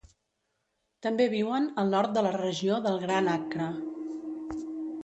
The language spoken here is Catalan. També viuen al nord de la regió del Gran Accra.